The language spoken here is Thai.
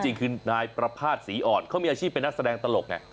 จริงคือนายประภาษณ์ศรีอ่อนเขามีอาชีพเป็นนักแสดงตลกไง